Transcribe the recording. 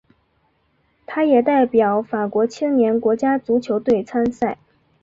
他也代表法国青年国家足球队参赛。